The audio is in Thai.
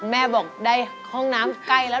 แม่บอกได้ห้องน้ำใกล้แล้ว